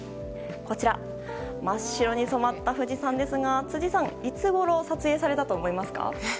こちら、真っ白に染まった富士山ですが辻さん、いつごろ撮影されたと思いますか？